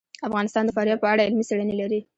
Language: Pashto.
افغانستان د فاریاب په اړه علمي څېړنې لري.